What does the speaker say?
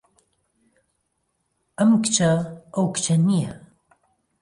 ئەم کچە ئەو کچە نییە.